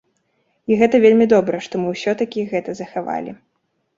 І гэта вельмі добра, што мы ўсё-такі гэта захавалі.